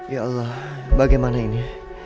ya allah bagaimana ini